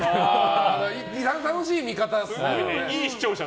楽しい見方ですね。